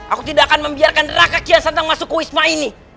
aku tidak akan membiarkan raka kian santang masuk ke wisma ini